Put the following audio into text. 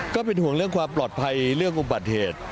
ก็เป็นห่วงเรื่องความปลอดภัยเรื่องอุบัติเหตุ